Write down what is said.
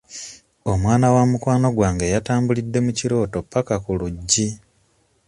Omwana wa mukwano gwange yatambulidde mu kirooto ppaka ku luggi.